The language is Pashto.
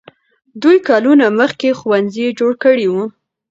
دوی کلونه مخکې ښوونځي جوړ کړي وو.